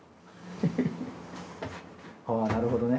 ああ、なるほどね。